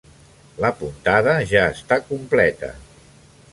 La puntada ja està completa.